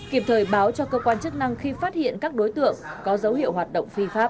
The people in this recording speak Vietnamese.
kịp thời báo cho cơ quan chức năng khi phát hiện các đối tượng có dấu hiệu hoạt động phi pháp